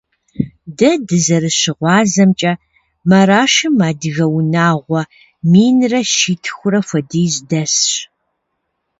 Дэ дызэрыщыгъуазэмкӀэ, Марашым адыгэ унагъуэ минрэ щитхурэ хуэдиз дэсщ.